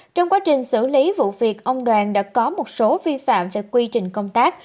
trong quá trình xử lý vụ việc ông đoàn đã có một số vi phạm về quy trình công tác